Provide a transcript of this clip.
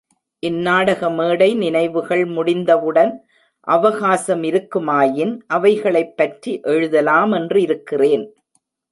இந் நாடக மேடை நினைவுகள் முடிந்தவுடன் அவகாசமிருக்குமாயின் அவைகளைப் பற்றி எழுதலாமென்றிருக்கிறேன்.